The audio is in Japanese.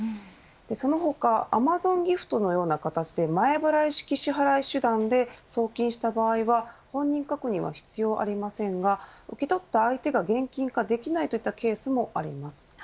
その他アマゾンギフトのような形で前払い式支払い手段で送金した場合は本人確認は必要ありませんが受け取った相手が現金化できないといったケースもあります。